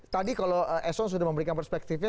tadi kalau eson sudah memberikan perspektifnya